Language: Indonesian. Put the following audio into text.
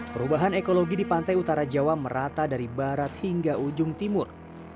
perubahan ekologi di pantai utara jawa merata dari barat hingga ujung timur